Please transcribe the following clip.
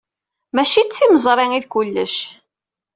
Maci d timeẓri ay d kullec.